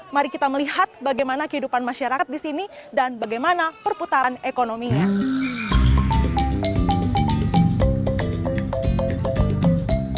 mari kita melihat bagaimana kehidupan masyarakat di sini dan bagaimana perputaran ekonominya